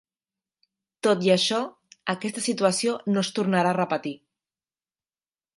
Tot i això, aquesta situació no es tornarà a repetir.